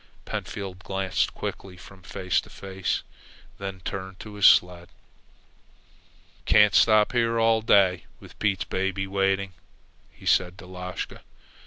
Pentfield glanced quickly from face to face, then turned to his sled. "Can't stop here all day, with Pete's baby waiting," he said to Lashka.